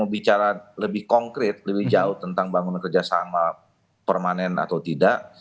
bicara lebih konkret lebih jauh tentang bangunan kerjasama permanen atau tidak